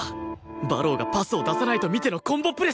馬狼がパスを出さないと見てのコンボプレス！